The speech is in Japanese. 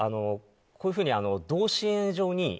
こういうふうに、同心円状に。